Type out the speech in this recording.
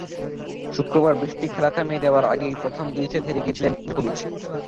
শুক্রবার বৃষ্টি খেলা থামিয়ে দেওয়ার আগেই প্রথম দুই সেট হেরে গিয়েছিলেন জোকোভিচ।